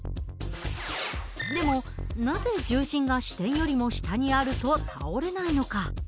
でもなぜ重心が支点よりも下にあると倒れないのか。